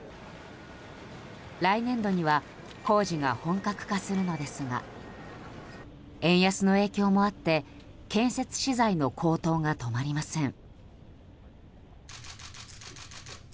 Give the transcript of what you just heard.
来年度には工事が本格化するのですが円安の影響もあって建設資材の高騰が止まりません。